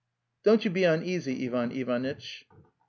"' 'Don't you be uneasy, Ivan Ivanitch!